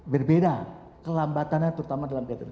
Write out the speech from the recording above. berbeda kelambatannya terutama dalam